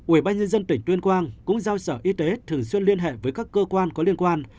ubnd tỉnh tuyên quang cũng giao sở y tế thường xuyên liên hệ với các cơ quan có liên quan